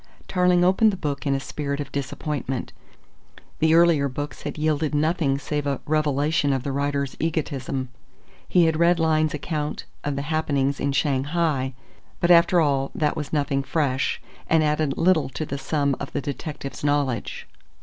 Tarling opened the book in a spirit of disappointment. The earlier books had yielded nothing save a revelation of the writer's egotism. He had read Lyne's account of the happenings in Shanghai, but after all that was nothing fresh, and added little to the sum of the detective's knowledge.